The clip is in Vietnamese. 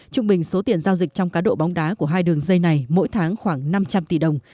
trung bình số tiền giao dịch trong cá độ bóng đá của hai đường dây này mỗi tháng khoảng năm trăm linh tỷ đồng